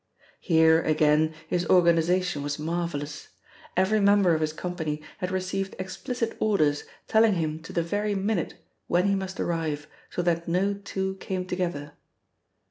Here, again, his organisation was marvellous. Every member of his company had received explicit orders telling him to the very minute when he must arrive, so that no two came together.